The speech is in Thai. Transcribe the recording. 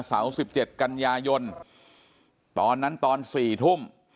๑๗กันยายนตอนนั้นตอน๔ทุ่ม